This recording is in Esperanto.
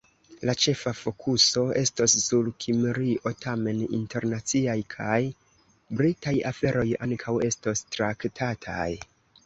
La ĉefa fokuso estos sur Kimrio, tamen internaciaj kaj Britaj aferoj ankaŭ estos traktataj.